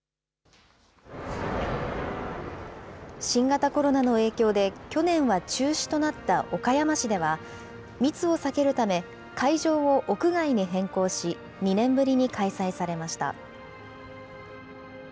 新型コロナの影響で去年は中止となった岡山市では、密を避けるため、会場を屋外に変更し、２年ぶりに開催されました。